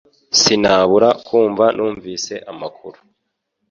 Sinabura kumva numvise amakuru